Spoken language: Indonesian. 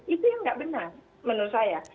itu yang tidak benar menurut saya